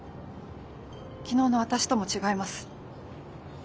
昨日の私とも違います。